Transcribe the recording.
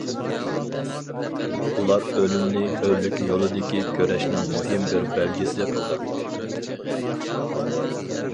ئۇلار ئۆلۈمنى ھۆرلۈك يولىدىكى كۈرەشنىڭ مۇھىم بىر بەلگىسى قىلغان.